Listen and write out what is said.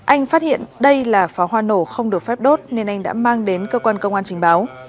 anh phát hiện đây là pháo hoa nổ không được phép đốt nên anh đã mang đến cơ quan công an trình báo